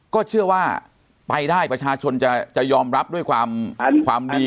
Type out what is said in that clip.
ก็เชื่อว่าไปได้ประชาชนจะยอมรับด้วยความความดี